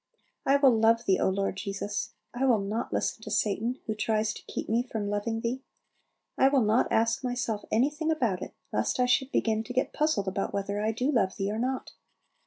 I will love Thee, O Lord Jesus; I will not listen to Satan, who tries to keep me from loving Thee; I will not ask myself anything about it, lest I should begin to get puzzled about whether I do love Thee or not.